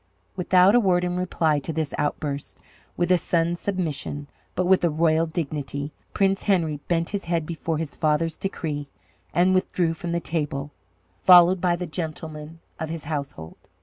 Without a word in reply to this outburst, with a son's submission, but with a royal dignity, Prince Henry bent his head before his father's decree and withdrew from the table, followed by the gentlemen of his household.